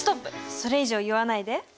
それ以上言わないで。